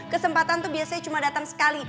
kesempatan itu biasanya cuma datang sekali